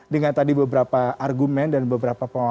dengan tadi beberapa argumen dan beberapa pemaparan saya